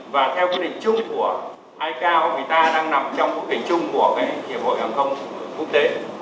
và theo quyết định chung của icao thì ta đang nằm trong quyết định chung của hiệp hội hàng không quốc tế